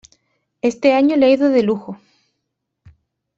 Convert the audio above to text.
Este año le ha ido de lujo